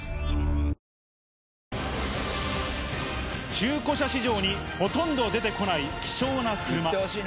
中古車市場にほとんど出てこない希少な車。